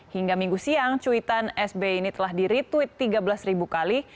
hingga minggu siang cuitan sb ini telah dire tweet tiga belas ribu kali